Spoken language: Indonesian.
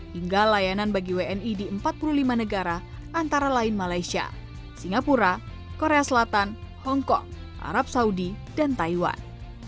hingga layanan bagi wni di empat puluh lima negara antara lain malaysia singapura korea selatan hongkong arab saudi dan taiwan